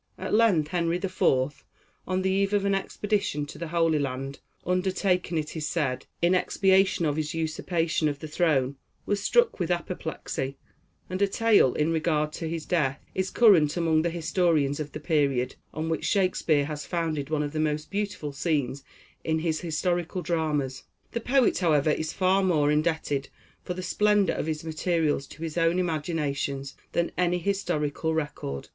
At length Henry the Fourth, on the eve of an expedition to the Holy Land, undertaken, it is said, in expiation of his usurpation of the throne, was struck with apoplexy; and a tale, in regard to his death, is current among the historians of the period, on which Shakespeare has founded one of the most beautiful scenes in his historical dramas. The poet, however, is far more indebted for the splendor of his materials to his own imagination, than any historical record.